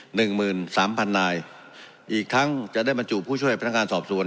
หนึ่งหมื่นสามพันนายอีกทั้งจะได้บรรจุผู้ช่วยพนักงานสอบสวน